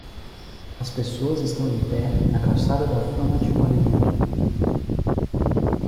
As pessoas estão em pé na calçada da fama de Hollywood.